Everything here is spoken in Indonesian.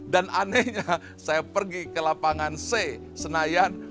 dan anehnya saya pergi ke lapangan c senayan